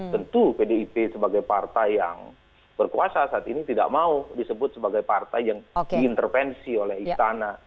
tentu pdip sebagai partai yang berkuasa saat ini tidak mau disebut sebagai partai yang diintervensi oleh istana